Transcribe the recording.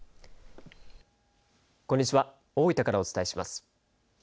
こんにちは、大分からお伝えします。